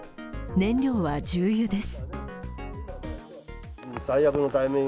燃料は重油です。